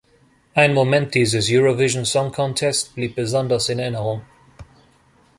Ein Moment dieses Eurovision Song Contest blieb besonders in Erinnerung.